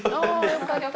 よかった。